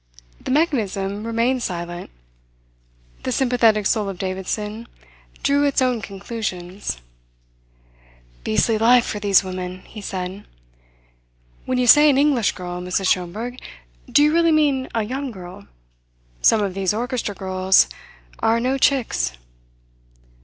The mechanism remained silent. The sympathetic soul of Davidson drew its own conclusions. "Beastly life for these women!" he said. "When you say an English girl, Mrs. Schomberg, do you really mean a young girl? Some of these orchestra girls are no chicks."